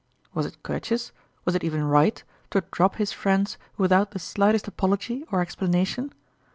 Was it courteous, was it even right, to drop his friends without the slightest apology or explanation?